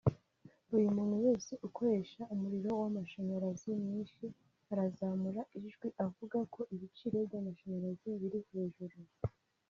Buri muntu wese ukoresha umuriro w’amashyanyarazi mwinshi arazamura ijwi avuga ko ibiciro by’amashanyarazi biri hejuru